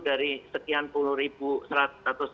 dari sekian puluh ribu seratus